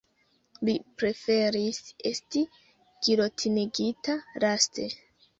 Li preferis esti gilotinigita laste.